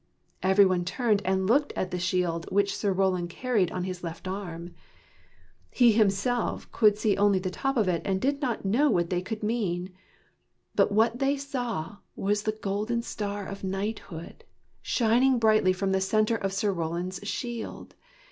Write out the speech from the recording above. Every one turned and looked at the shield which Sir Roland carried on his left arm. He himself could ii THE KNIGHTS OF THE SILVER SHIELD see only the top of it, and did not know what they could mean. But what they saw was the golden star of knighthood, shining brightly from the center of Sir Roland's shield.